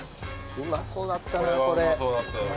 うまそうだったなこれ。